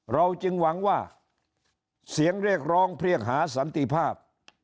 เราจึงหวังว่าเสียงเรียกร้องเพลี่ยงหาสันติภาพ